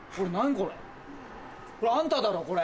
これあんただろこれ。